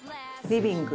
リビング。